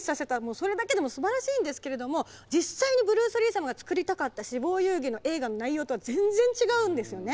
それだけでもすばらしいんですけれども実際にブルース・リー様が作りたかった「死亡遊戯」の映画の内容とは全然違うんですよね。